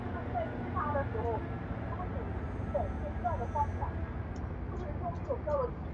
洛巴金农村居民点是俄罗斯联邦伏尔加格勒州苏罗维基诺区所属的一个农村居民点。